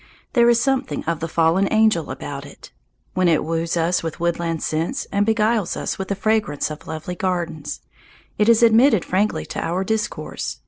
There is something of the fallen angel about it. When it woos us with woodland scents and beguiles us with the fragrance of lovely gardens, it is admitted frankly to our discourse.